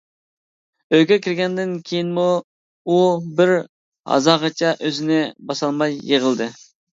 ئۆيگە كىرگەندىن كېيىنمۇ ئۇ بىر ھازاغىچە ئۆزىنى باسالماي يىغلىدى.